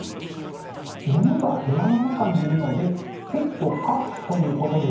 犬が部屋の中にいるのでペット可ということですよね。